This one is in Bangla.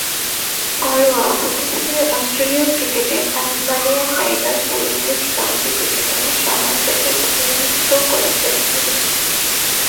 ঘরোয়া প্রথম-শ্রেণীর অস্ট্রেলীয় ক্রিকেটে তাসমানিয়ান টাইগার্স ও ইংরেজ কাউন্টি ক্রিকেটে সমারসেটের প্রতিনিধিত্ব করেছেন তিনি।